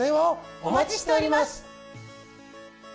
お待ちしております。